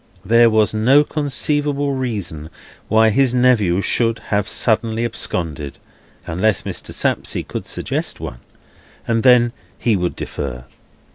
There was no conceivable reason why his nephew should have suddenly absconded, unless Mr. Sapsea could suggest one, and then he would defer.